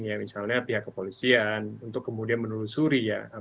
ya misalnya pihak kepolisian untuk kemudian menelusuri ya